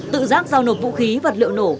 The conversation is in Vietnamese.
tự giác giao nộp vũ khí vật liệu nổ